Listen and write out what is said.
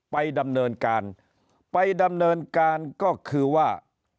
ไปดำเนินการไปดำเนินการก็คือว่า